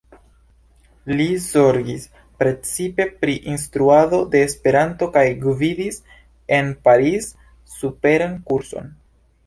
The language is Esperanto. Li zorgis precipe pri instruado de Esperanto kaj gvidis en Paris superan kurson.